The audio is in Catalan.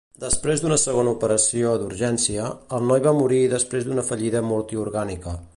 Després d'una segona operació d'urgència, el noi va morir després d'una fallida multiorgànica.